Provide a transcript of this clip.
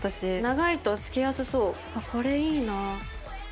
長いと付けやすそうこれいいな。